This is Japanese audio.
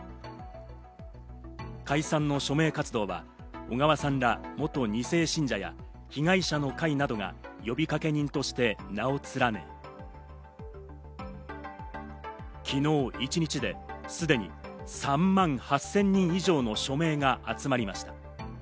解散の署名活動は小川さんら元二世信者や被害者の会などが呼びかけ人として名を連ね、昨日一日ですでに３万８０００人以上の署名が集まりました。